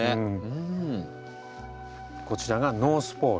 こちらがノースポール。